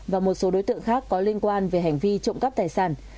và một số đối tượng khác có liên quan về hành vi trộm cắp tài sản